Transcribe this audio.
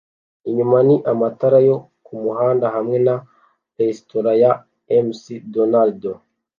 inyuma ni amatara yo kumuhanda hamwe na resitora ya Mc Donald